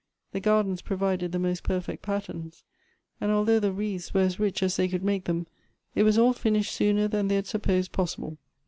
The gardens provided the most perfect patterns ; and although the wreaths were as rich as they could make them, it was all finished sooner than they had supposed possible.